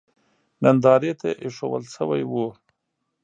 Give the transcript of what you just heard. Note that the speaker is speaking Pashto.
نندارې ته اېښودل شوی و.